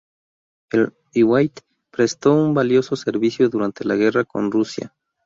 El "Iwate" prestó un valioso servicio durante la guerra con Rusia.